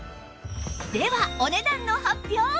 ではお値段の発表！